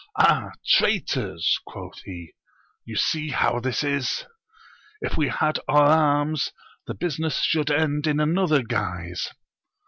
Ah, traitors ! quoth he, you see how this is ! if we had our arms the business should end in another guise